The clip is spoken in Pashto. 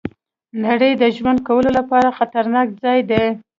نړۍ د ژوند کولو لپاره خطرناک ځای دی.